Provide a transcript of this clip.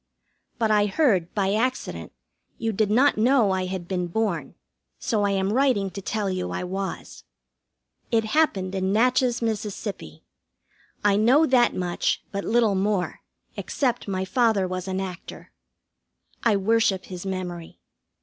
But I heard, by accident, you did not know I had been born, so I am writing to tell you I was. It happened in Natchez, Miss. I know that much, but little more, except my father was an actor. I worship his memory.